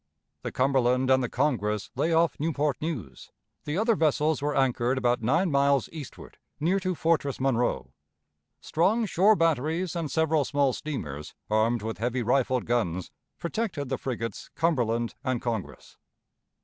The Cumberland and the Congress lay off Newport News; the other vessels were anchored about nine miles eastward, near to Fortress Monroe. Strong shore batteries and several small steamers, armed with heavy rifled guns, protected the frigates Cumberland and Congress.